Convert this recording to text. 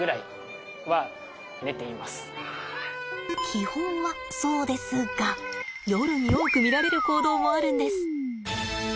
基本はそうですが夜に多く見られる行動もあるんです。